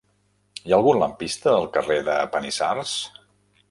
Hi ha algun lampista al carrer de Panissars?